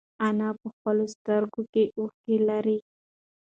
انا په خپلو سترگو کې اوښکې لرلې.